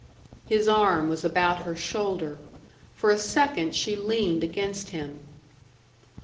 His arm was about her shoulder. For a second she leaned against him.